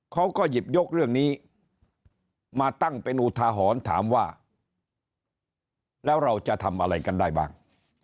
เขาก็หยิบยกเรื่องนี้มาตั้งเป็นอุทาหรณ์ถามว่าแล้วเราจะทำอะไรกันได้บ้าง